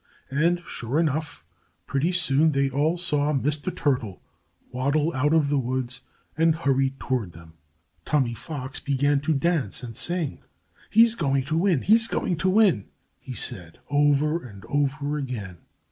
And sure enough! Pretty soon they all saw Mr. Turtle waddle out of the woods and hurry toward them. Tommy Fox began to dance and sing. "He's going to win! He's going to win!" he said, over and over again.